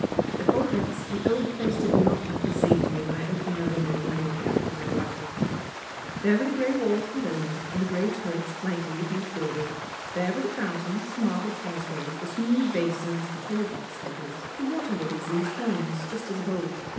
At all events, the old place did not look the same to me when I opened my window on the morning after my arrival. There were the grey walls below me, and the grey turrets flanking the huge building; there were the fountains, the marble causeways, the smooth basins, the tall box hedges, the water lilies and the swans, just as of old.